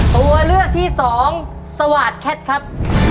ตัวเลือกที่สองสวาสตร์แคทครับ